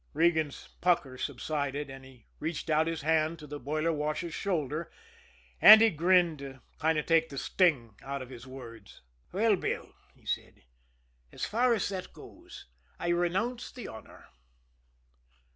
Regan's pucker subsided, and he reached out his hand to the boiler washer's shoulder and he grinned to kind of take the sting out of his words. "Well, Bill," he said, "as far as that goes, I renounce the honor."